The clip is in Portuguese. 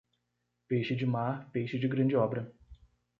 Peixe de mar, peixe de grande obra.